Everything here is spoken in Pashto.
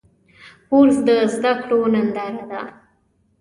کورس د زده کړو ننداره ده.